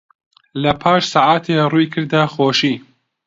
لەپاش سەعاتێ ڕووی کردە خۆشی